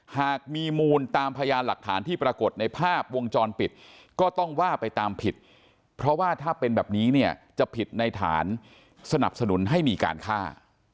หากมีมูลตามพยานหลักฐานที่ปรากฏในภาพวงจรปิดก็ต้องว่าไปตามผิดเพราะว่าถ้าเป็นแบบนี้เนี่ยจะผิดในฐานสนับสนุนให้มีการฆ่า